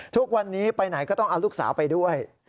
ทุกวันนี้ไปไหนก็ต้องเอาลูกสาวไปด้วย